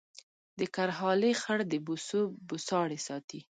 د کرهالې خړ د بوسو بوساړې ساتي